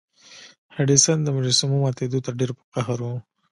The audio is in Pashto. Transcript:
هډسن د مجسمو ماتیدو ته ډیر په قهر و.